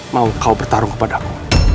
mau kau bertarung kepada aku